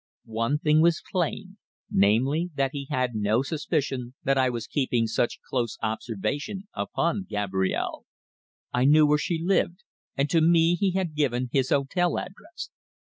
One thing was plain, namely, that he had no suspicion that I was keeping such close observation upon Gabrielle. I knew where she lived, and to me he had given his hotel address.